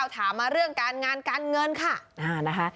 ถามมาเรื่องการงานการเงินค่ะนะคะ